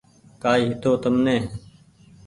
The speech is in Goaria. ڪآئي هيتو تمني